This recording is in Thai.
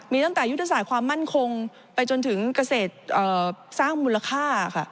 มีตั้งแต่ยุทธศาสตร์ความมั่นคงไปจนถึงเกษตรสร้างมูลค่าค่ะ